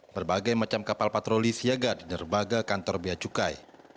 berbagai macam kapal patroli siaga di berbagai kantor beacukai